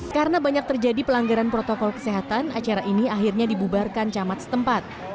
karena banyak terjadi pelanggaran protokol kesehatan acara ini akhirnya dibubarkan camat setempat